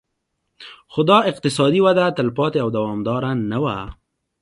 خو دا اقتصادي وده تلپاتې او دوامداره نه وه